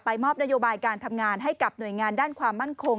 มอบนโยบายการทำงานให้กับหน่วยงานด้านความมั่นคง